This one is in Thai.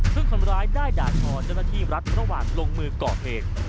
ซึ่งคนร้ายได้ด่าทอเจ้าหน้าที่รัฐระหว่างลงมือก่อเหตุ